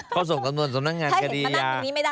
เขาส่งสำนวนสำนักงานคดีอาญา